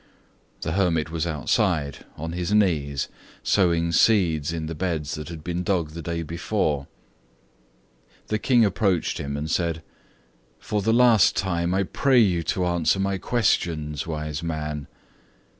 The hermit was outside, on his knees, sowing seeds in the beds that had been dug the day before. The King approached him, and said: "For the last time, I pray you to answer my questions, wise man."